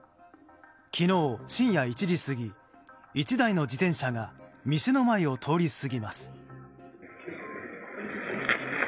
昨日深夜１時過ぎ１台の自転車が店の前を通り過ぎます。